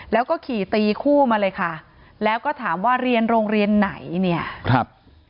แล้วก็ขี่ตีคู่มาเลยค่ะแล้วก็ถามว่าเรียนโรงเรียนไหนเนี่ยครับ